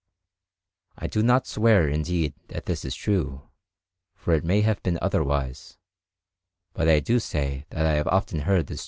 I do not swear, indeed, that this is true, for it may have been otherwise; but I do say that I have often heard the story told.